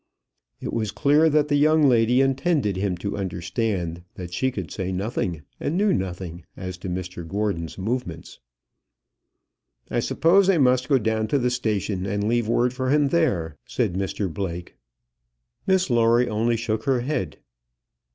It was clear that the young lady intended him to understand that she could say nothing and knew nothing as to Mr Gordon's movements. "I suppose I must go down to the station and leave word for him there," said Mr Blake. Miss Lawrie only shook her head.